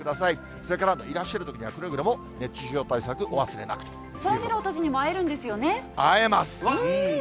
それからいらっしゃるときには、くれぐれも熱中症対策、お忘れなそらジローたちにも会えるん会えます。